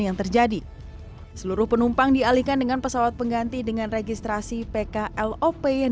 yang terjadi seluruh penumpang dialihkan dengan pesawat pengganti dengan registrasi pklp yang